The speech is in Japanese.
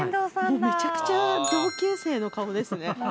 めちゃくちゃ同級生の顔ですね。